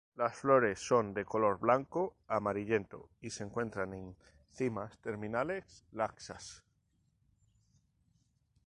Las flores son de color blanco amarillento y se encuentran en cimas terminales laxas.